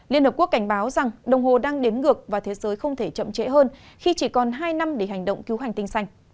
liên hợp quốc cảnh báo rằng đồng hồ đang đếm ngược và thế giới không thể chậm trễ hơn khi chỉ còn hai năm để hành động cứu hành tinh xanh